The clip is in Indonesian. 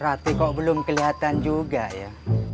hati kok belum kelihatan juga ya